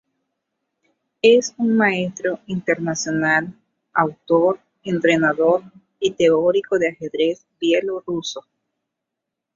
Es un Maestro Internacional, autor, entrenador y teórico de ajedrez bielorruso.